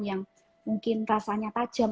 yang mungkin rasanya tajam